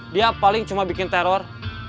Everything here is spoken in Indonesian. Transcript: dia paling cuma bikin teror